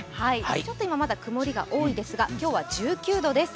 ちょっと今まだ曇りが多いですが、１９度です。